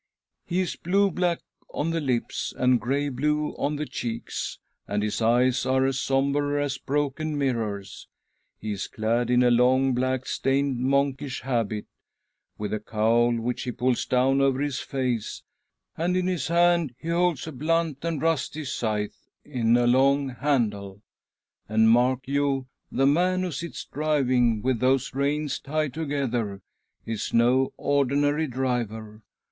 He is blue black on the lips and grey blue on the cheeks, and his eyes are as sombre as broken mirrors. He is clad in a long black stained monkish habit, •with a cowl which he pulls down over his face, and in his hand he holds a blunt and rusty scythe in a long handle* And, mark you, the man who sits driving", with those reins tied together, is no ordinary driver